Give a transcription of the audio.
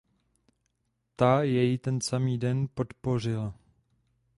Ta jej ten samý den podpořila.